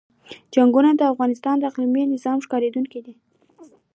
چنګلونه د افغانستان د اقلیمي نظام ښکارندوی ده.